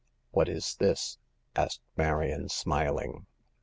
"What is this ?" asked Marion, smiling.